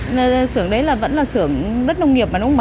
nên là xưởng đấy là vẫn là xưởng đất nông nghiệp mà đúng không bà